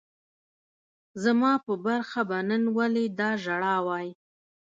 زما په برخه به نن ولي دا ژړاوای